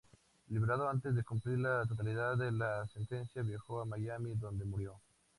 Liberado antes de cumplir la totalidad de la sentencia viajó a Miami donde murió.